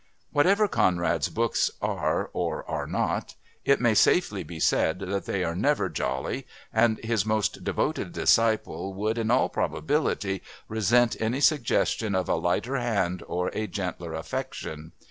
Whatever Conrad's books are or are not, it may safely be said that they are never jolly, and his most devoted disciple would, in all probability, resent any suggestion of a lighter hand or a gentler affection.